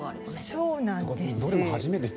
そうなんですよね。